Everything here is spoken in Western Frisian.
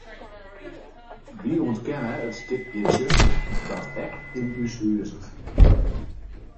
Wy ûntkenne it stikje tsjuster dat ek yn ús huzet.